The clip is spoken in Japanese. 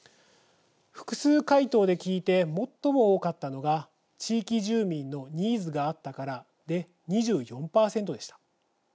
複数回答で聞いて最も多かったのが「地域住民のニーズがあったから」で２４％でした。